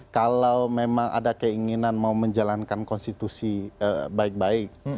kalau memang ada keinginan mau menjalankan konstitusi baik baik